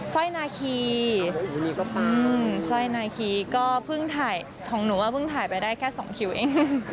ร้อยนาคีสร้อยนาคีก็เพิ่งถ่ายของหนูว่าเพิ่งถ่ายไปได้แค่๒คิวเอง